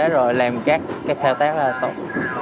rồi làm các thao tác là tốt